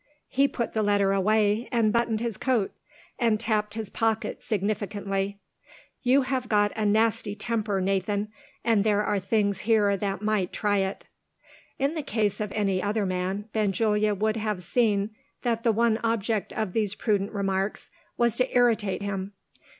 He put the letter away, and buttoned his coat, and tapped his pocket significantly. "You have got a nasty temper, Nathan and there are things here that might try it." In the case of any other man, Benjulia would have seen that the one object of these prudent remarks was to irritate him.